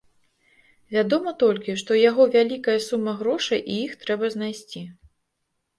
Вядома толькі, што ў яго вялікая сума грошай і іх трэба знайсці.